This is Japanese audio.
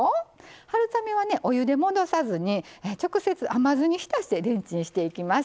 春雨はねお湯で戻さずに直接甘酢に浸してレンチンしていきます。